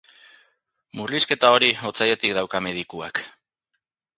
Murrizketa hori otsailetik dauka medikuak.